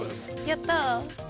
やった。